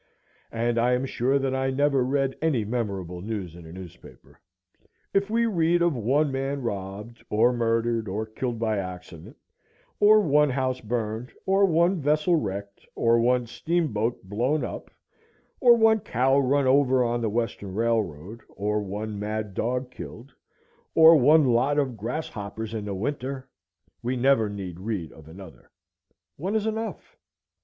And I am sure that I never read any memorable news in a newspaper. If we read of one man robbed, or murdered, or killed by accident, or one house burned, or one vessel wrecked, or one steamboat blown up, or one cow run over on the Western Railroad, or one mad dog killed, or one lot of grasshoppers in the winter,—we never need read of another. One is enough.